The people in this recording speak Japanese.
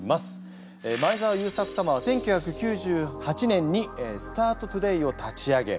前澤友作様は１９９８年にスタートトゥデイを立ち上げ